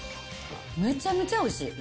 むちゃむちゃおいしい。